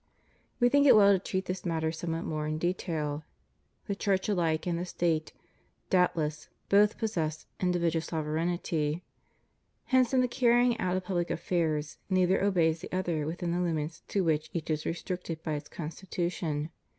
We think it well to treat this matter somewhat more in detail. The Church alike and the State, doubtless, both possess individual sovereignty; hence, in the carrying out of public affairs, neither obeys the other within the limits to which each is restricted by its constitution.